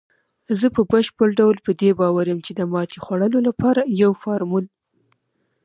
زه په بشپړ ډول په دې باور یم، چې د ماتې خوړلو لپاره یو فارمول